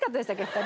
２人。